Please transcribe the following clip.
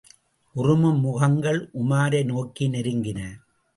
உறுமும் முகங்கள் உமாரை நோக்கி நெருங்கின.